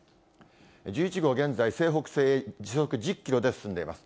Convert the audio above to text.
１１号、現在、西北西へ時速１０キロで進んでいます。